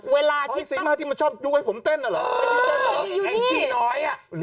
เวลาที่ต้องอ๋อซีม่าที่มันชอบอยู่กับผมเต้นเหรอ